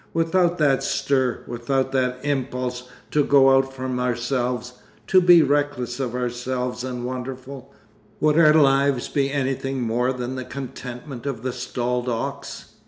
Without that stir, without that impulse to go out from ourselves, to be reckless of ourselves and wonderful, would our lives be anything more than the contentment of the stalled ox?